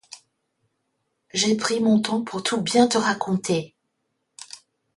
J'ai pris mon temps pour tout bien te raconter.